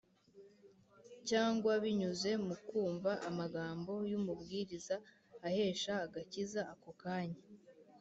cyangwa binyuze mu kumva amagambo y’umubwiriza ahesha agakiza. Ako kanya